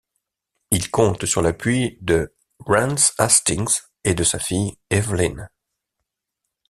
Il compte sur l'appui de Rance Hastings et de sa fille Evelyn...